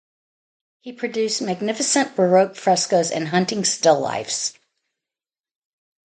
He produced magnificent Baroque frescos and hunting still lifes.